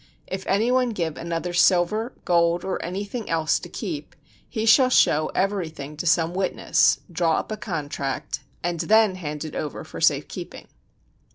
If any one give another silver, gold or anything else to keep, he shall show everything to some witness, draw up a contract, and then hand it over for safe keeping.